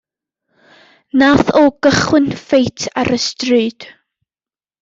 Nath o gychwyn ffeit ar y stryd.